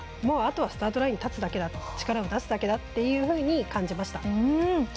あとはスタートラインに立つだけ力を出すだけだっていうふうに感じました。